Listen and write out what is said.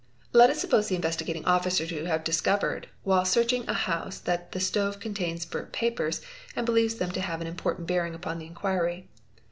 a Let us suppose the Investigating Officer to have discovered whil searching a house that the stove contains burnt papers and believes th or » vee BURNT PAPER 479 to have an important bearing upon the inquiry.